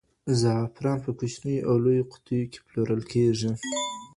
زعفران په کوچنیو او لویو قطیو کې پلورل کېږي.